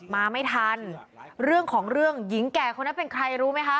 มาไม่ทันเรื่องของเรื่องหญิงแก่คนนั้นเป็นใครรู้ไหมคะ